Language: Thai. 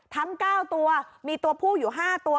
ทั้ง๙ตัวมีตัวผู้อยู่๕ตัว